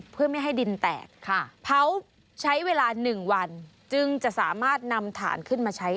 เพื่อไม่ให้ดินแตกเผาใช้เวลา๑วันจึงจะสามารถนำฐานขึ้นมาใช้